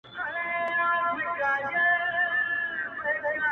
داسي په ماښام سترگي راواړوه ـ